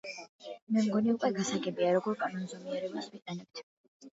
მე მგონი უკვე გასაგებია როგორ კანონზომიერებას ვიყენებთ.